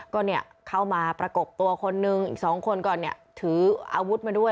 ก็เข้ามาประกบตัวคนนึงอีก๒คนก็ถืออาวุธมาด้วย